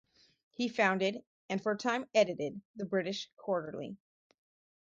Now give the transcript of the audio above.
He founded, and for a time edited, the "British Quarterly".